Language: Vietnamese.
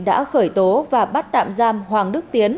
đã khởi tố và bắt tạm giam hoàng đức tiến